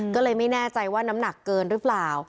ก็เลยไม่แน่ใจว่าน้ำหนักเกินหรือเปล่า